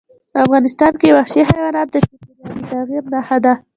افغانستان کې وحشي حیوانات د چاپېریال د تغیر نښه ده.